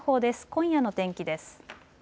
今夜の天気です。